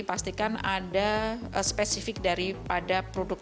pastikan ada spesifik daripada produk